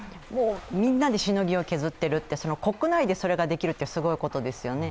みんなでしのぎを削っている、国内でそれができるって、すごいことですよね。